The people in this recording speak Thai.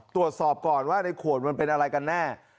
ตรวจสอบก่อนว่าในขวดมันเป็นอะไรกันแน่